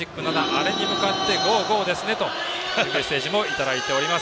あれに向かってＧＯＧＯですねというメッセージもいただいております。